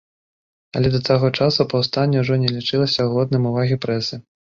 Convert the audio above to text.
Але да таго часу паўстанне ўжо не лічылася годным увагі прэсы.